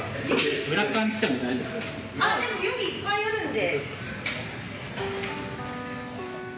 でも予備いっぱいあるんで。